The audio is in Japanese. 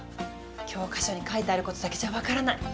教科書に書いてあることだけじゃ分からない。